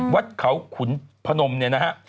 วัดเขาขุนพนมเนี่ยนะฮะ